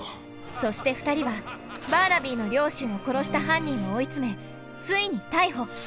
そして２人はバーナビーの両親を殺した犯人を追い詰めついに逮捕。